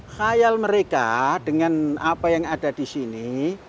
khayal mereka dengan apa yang ada di sini